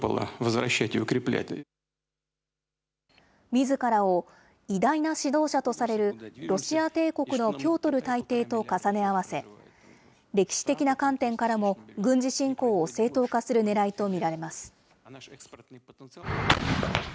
みずからを、偉大な指導者とされるロシア帝国のピョートル大帝と重ね合わせ、歴史的な観点からも軍事侵攻を正当化するねらいと見られます。